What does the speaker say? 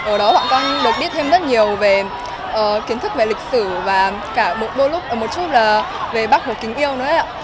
ở đó võ con được biết thêm rất nhiều về kiến thức về lịch sử và cả một chút về bác hồ kính yêu nữa